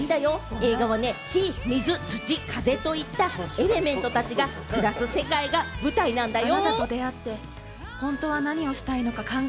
映画はね、火、水、土、風といったエレメントたちが暮らす世界が舞台なんだよ。